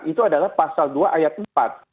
itu adalah pasal dua ayat empat